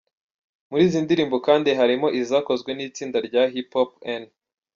Muri izi ndirimbo kandi harimo izakozwe n’itsinda rya Hip Hop N.